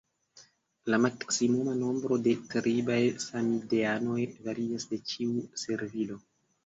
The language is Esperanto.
La maksimuma nombro de tribaj samideanoj varias de ĉiu servilo.